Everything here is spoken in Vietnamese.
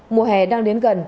mùa hè đang đến gần